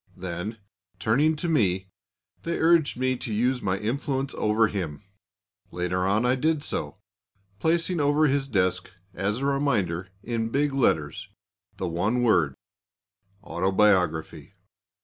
Then, turning to me, they urged me to use my influence over him. Later on I did so, placing over his desk as a reminder, in big letters, the one word "Autobiography."